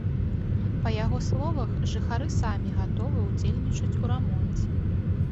Па яго словах, жыхары самі гатовы ўдзельнічаць у рамонце.